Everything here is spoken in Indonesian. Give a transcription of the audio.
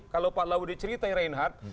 kalau pak laude ceritain reinhardt